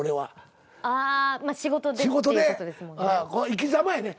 生きざまやね。